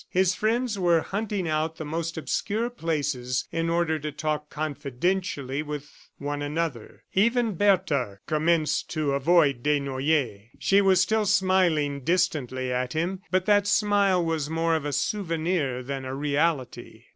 His friends were hunting out the most obscure places in order to talk confidentially with one another. Even Bertha commenced to avoid Desnoyers. She was still smiling distantly at him, but that smile was more of a souvenir than a reality.